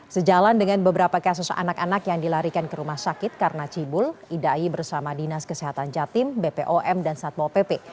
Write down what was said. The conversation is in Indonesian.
sejalan dengan beberapa kasus anak anak yang dilarikan ke rumah sakit karena cibul idai bersama dinas kesehatan jatim bpom dan satpol pp